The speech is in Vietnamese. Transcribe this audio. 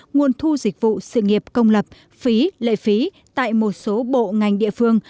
nguồn thu dịch vụ sự nghiệp công lập phí lệ phí tại một số bộ ngành địa phương